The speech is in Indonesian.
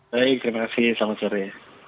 baik terima kasih selamat sore